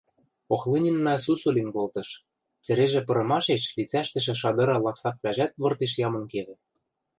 Охлынинна сусу лин колтыш, цӹрежӹ пырымашеш лицӓштӹшӹ шадыра лаксаквлӓжӓт выртеш ямын кевӹ...